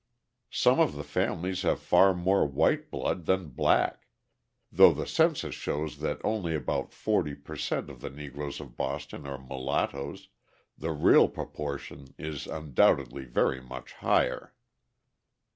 Some of the families have far more white blood than black; though the census shows that only about 40 per cent. of the Negroes of Boston are mulattoes, the real proportion is undoubtedly very much higher.